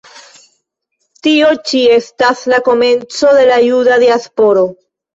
Tio ĉi estas la komenco de la Juda diasporo.